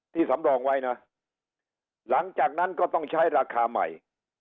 สำรองไว้นะหลังจากนั้นก็ต้องใช้ราคาใหม่